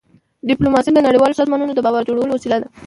ډيپلوماسي د نړیوالو سازمانونو د باور جوړولو وسیله ده.